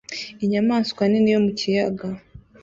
Inyamaswa nini yo mu kiyaga